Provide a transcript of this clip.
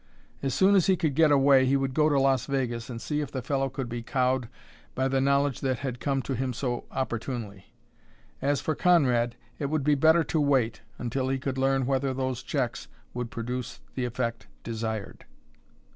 As soon as he could get away he would go to Las Vegas and see if the fellow could be cowed by the knowledge that had come to him so opportunely. As for Conrad, it would be better to wait until he could learn whether those checks would produce the effect desired.